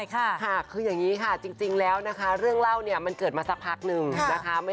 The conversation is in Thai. จากนู้นนะคะยังไม่บอกแหล่งที่มา